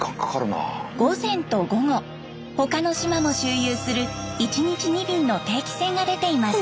午前と午後他の島も周遊する１日２便の定期船が出ています。